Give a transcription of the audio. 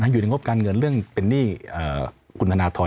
อยู่ในงบการเงินเรื่องเป็นหนี้คุณธนทร